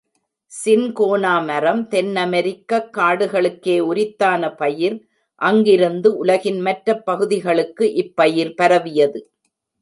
Cinchona மரம் தென்னமெரிக்கக் காடுகளுக்கே உரித்தான பயிர், அங்கிருந்து உலகின் மற்ற பகுதிகளுக்கு இப்பயிர் பரவியது.